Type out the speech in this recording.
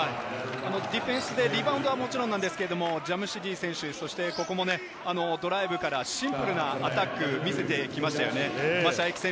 ディフェンスでリバウンドはもちろんジャムシディ選手、ドライブからシンプルなアタックを見せてきましたよね。